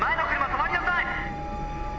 止まりなさい！